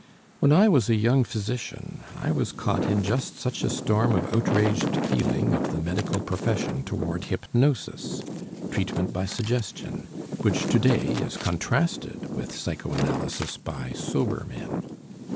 When I was a young physician I was caught in just such a storm of outraged feeling of the medical profession toward hypnosis, treatment by suggestion, which today is contrasted with psychoanalysis by "sober" men.